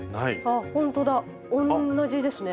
ほんとだ同じですね。